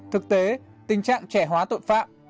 thực tế tình trạng trẻ hóa tội phạm